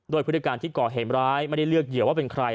โดยผู้ติดตามที่ก่อเห็นร้ายไม่ได้เลือกเหยียวว่าเป็นใคร